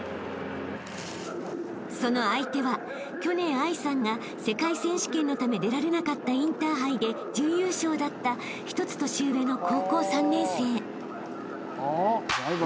［その相手は去年藍さんが世界選手権のため出られなかったインターハイで準優勝だった１つ年上の高校３年生］